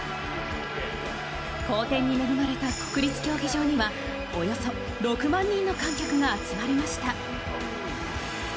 好転に恵まれた国立競技場にはおよそ６万人の観客が集まりました。